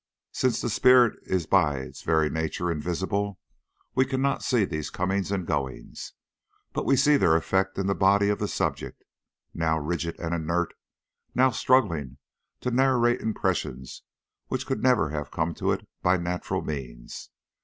Since the spirit is by its very nature invisible, we cannot see these comings and goings, but we see their effect in the body of the subject, now rigid and inert, now struggling to narrate impressions which could never have come to it by natural means.